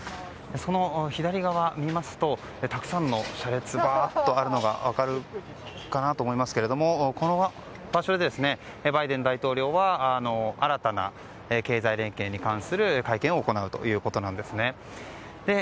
その左側にたくさんの車列があるのが分かるかなと思いますけどもこの場所でバイデン大統領は新たな経済連携に関する会見を行うということなんです。